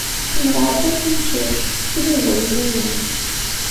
Ḥemmleɣ aṭas imcac. Sslubuyen-iyi.